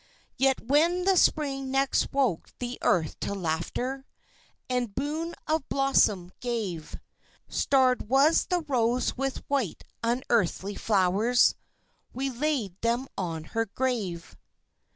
Yet when the Spring next woke the earth to laughter And boon of blossom gave, Starred was the rose with white, unearthly flowers We laid them on her grave.